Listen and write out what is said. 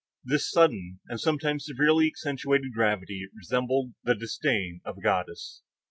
This sudden and sometimes severely accentuated gravity resembled the disdain of a goddess.